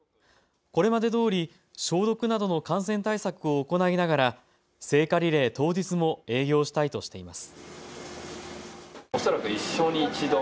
これまでどおり、消毒などの感染対策を行いながら聖火リレー当日も営業したいとしています。